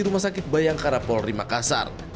di rumah sakit bayang karapol rimakasar